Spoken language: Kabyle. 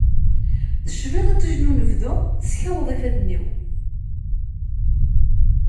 Tecbiḍ iṭij unebdu, teskaweḍ ifadden-iw.